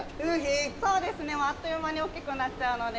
そうですねあっという間に大っきくなっちゃうので。